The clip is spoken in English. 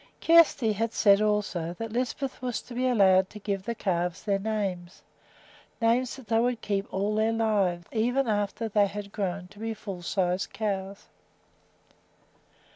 Kjersti had said also that Lisbeth was to be allowed to give the calves their names, names that they would keep all their lives, even after they had grown to be full sized cows.